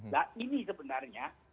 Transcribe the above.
nah ini sebenarnya